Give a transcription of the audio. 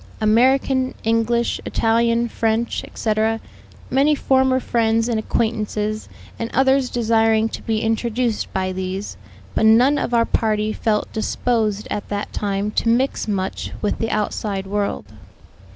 American, English, Italian, French, etc.; many former friends and acquaintances and others desiring to be introduced by these; but none of our party felt disposed at that time to mix much with the outside world.